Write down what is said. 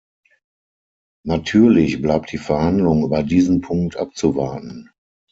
Natürlich bleibt die Verhandlung über diesen Punkt abzuwarten.